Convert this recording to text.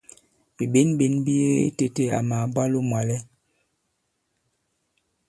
Bìɓěnɓěn bi yege itēte àmà màbwalo mwàlɛ.